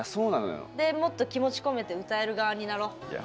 もっと気持ちこめて歌える側になろう。